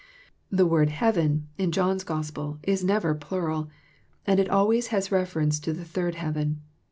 The word " heaven " in John's Gospel is never plural, and it always has reference to the third heaven.